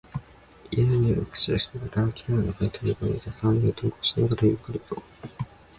嫌な臭いを撒き散らしながら、ゲルの中に飛び込んでいった隊員を同化しながら、ゆっくりと